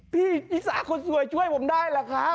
พี่นิสาคนสวยช่วยผมได้เหรอครับ